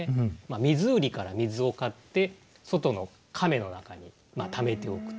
水売りから水を買って外の甕の中にためておくと。